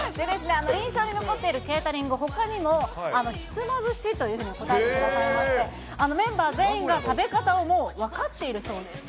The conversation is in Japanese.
印象に残っているケータリング、ほかにもひつまぶしというふうに答えてくださいまして、メンバー全員が、食べ方をもう分かっているそうです。